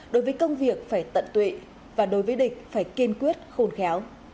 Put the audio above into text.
đối với công việc phải tận tụy và đối với địch phải kiên quyết khôn khéo